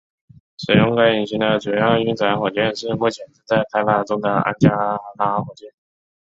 使用该引擎的主要运载火箭是目前正在开发中的安加拉火箭。